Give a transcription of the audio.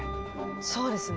そうですね。